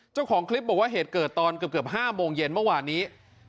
เจ้าของคลิปบอกว่าเหตุเกิดตอนเกือบ๕โมงเย็นเมื่อวานนี้